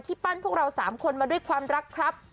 ปั้นพวกเรา๓คนมาด้วยความรักครับ